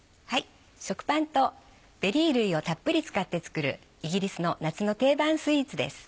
食パンとベリー類をたっぷり使って作るイギリスの夏の定番スイーツです。